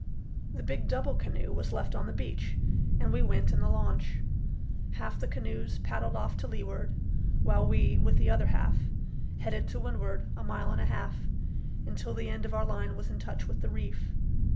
The big double canoe was left on the beach, and we went in the launch. Half the canoes paddled off to leeward, while we, with the other half, headed to windward a mile and a half, until the end of our line was in touch with the reef.